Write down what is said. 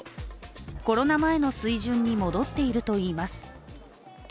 コロナ前の水準に戻っているといいます。